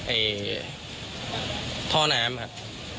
ไอ้ท่อน้ำครับ